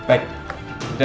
aku ingin menentukan jelas